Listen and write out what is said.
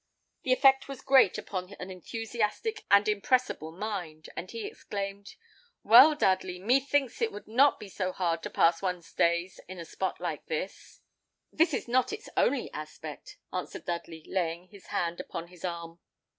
The effect was great upon an enthusiastic and impressible mind, and he exclaimed, "Well, Dudley, methinks it would not be so hard to pass one's days in such a spot as this." "This is not its only aspect," answered Dudley, laying his hand upon his arm.